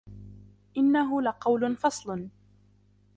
إِنَّهُ لَقَوْلٌ فَصْلٌ